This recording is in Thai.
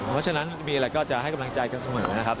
เพราะฉะนั้นมีอะไรก็จะให้กำลังใจกันเสมอนะครับ